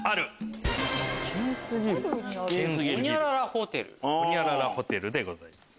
ホニャララホテルでございます。